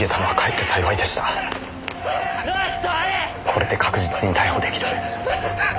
これで確実に逮捕出来る。